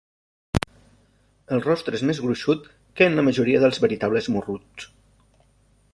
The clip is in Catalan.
El rostre és més gruixut que en la majoria dels veritables morruts.